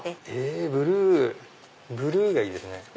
ブルーブルーがいいですね。